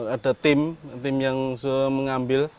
ada tim yang mengambil